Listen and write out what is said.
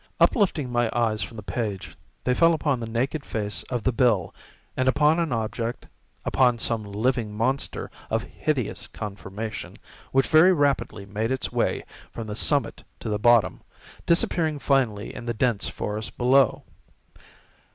Uplifting my eyes from the page, they fell upon the naked face of the bill, and upon an object—upon some living monster of hideous conformation, which very rapidly made its way from the summit to the bottom, disappearing finally in the dense forest below.